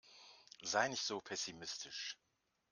Sei nicht so pessimistisch.